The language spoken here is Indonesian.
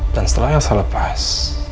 dan setelah elsa lepas